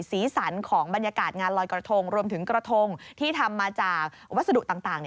สีสันของบรรยากาศงานลอยกระทงรวมถึงกระทงที่ทำมาจากวัสดุต่าง